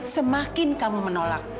semakin kamu menolak